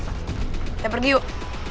kita pergi yuk